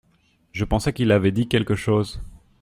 Je pensais qu’il avait dit quelque chose.